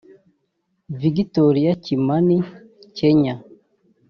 Victoria Kimani[Kenya]